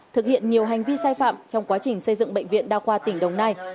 thực hiện nhiều hành vi sai phạm trong quá trình xây dựng bệnh viện đa khoa tỉnh đồng nai